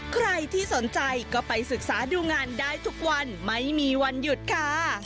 ใครที่สนใจก็ไปศึกษาดูงานได้ทุกวันไม่มีวันหยุดค่ะ